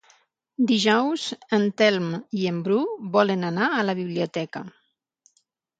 Dijous en Telm i en Bru volen anar a la biblioteca.